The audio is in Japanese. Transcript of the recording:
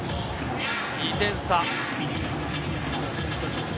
２点差。